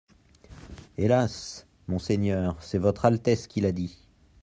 Hélas ! monseigneur, c'est Votre Altesse qui l'a dit.